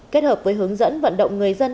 kết hợp với hướng dẫn vận động người dân